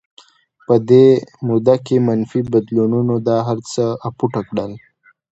په دې موده کې منفي بدلونونو دا هرڅه اپوټه کړل